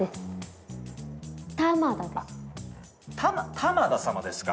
玉田さまですか？